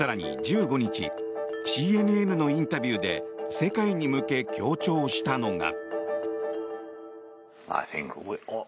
更に１５日ＣＮＮのインタビューで世界に向け強調したのが。